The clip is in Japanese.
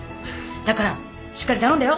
だからしっかり頼んだよ。